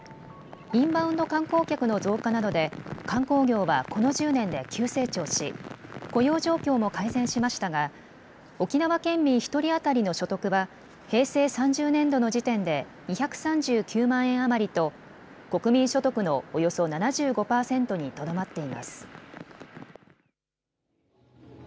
インバウンド観光客の増加などで観光業はこの１０年で急成長し雇用状況も改善しましたが沖縄県民１人当たりの所得は平成３０年度の時点で２３９万円余りと国民所得のおよそ７５％にとどまっています。